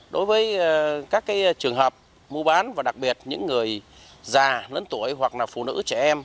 đối với các trường hợp mua bán và đặc biệt những người già lớn tuổi hoặc là phụ nữ trẻ em